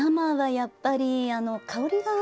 やっぱりね。